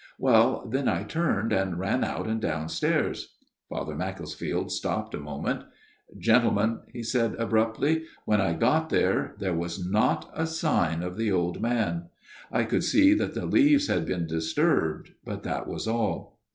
" Well, then I turned and ran out and downstairs." Father Macclesfield stopped a moment. " Gentlemen," he said abruptly, " when I got FATHER MACCLESFIELD'S TALE 243 there, there was not a sign of the old man. I could see that the leaves had been disturbed, but that was all."